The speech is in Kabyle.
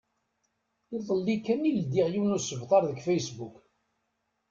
Iḍelli kan i ldiɣ yiwen usebter deg Facebook.